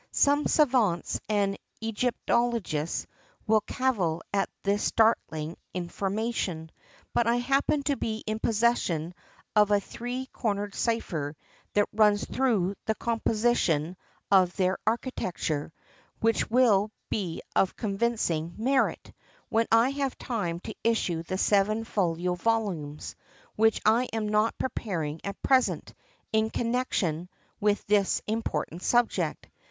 Some savants and Egyptologists will cavil at this startling information, but I happen to be in possession of a three cornered cypher that runs thro' the composition of their architecture, which will be of convincing merit, when I have time to issue the seven folio volumes, which I am not preparing at present, in connection with this important subject.